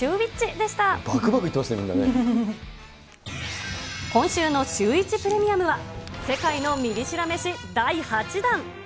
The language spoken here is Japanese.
ばくばくいってますね、今週のシューイチプレミアムは、世界のミリ知ら飯第８弾。